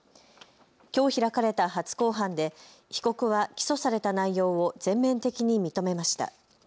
きょう開かれた初公判で被告は起訴された内容を全面的に認めました。